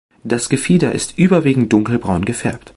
Das Gefieder ist überwiegend dunkelbraun gefärbt.